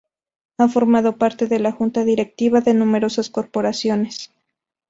Ha formado parte de la junta directiva de numerosas corporaciones.